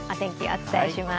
お伝えします。